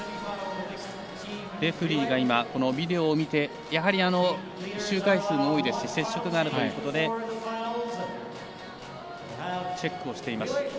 レフリーがビデオを見てやはり周回数も多いですし接触もあるということでチェックをしています。